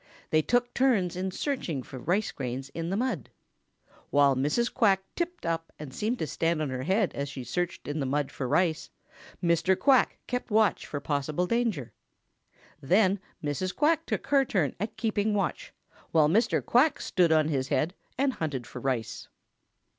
They took turns in searching for the rice grains in the mud. While Mrs. Quack tipped up and seemed to stand on her head as she searched in the mud for rice, Mr. Quack kept watch for possible danger. Then Mrs. Quack took her turn at keeping watch, while Mr. Quack stood on his head and hunted for rice.